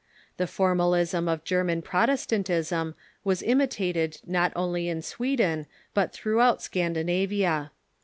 The formalism of German Protestantism was imi tated not only in Sweden, but throughout Scandinavia.